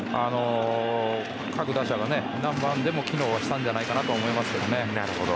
各打者が何番でも機能したんじゃないかと思いますね。